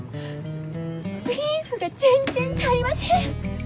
ビーフが全然足りません。